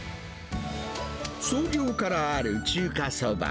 創業からある中華そば。